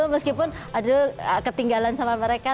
meskipun aduh ketinggalan sama mereka